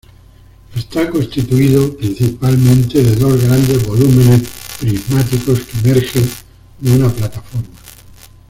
Está constituido, principalmente, de dos grandes volúmenes prismáticos que emergen de una plataforma.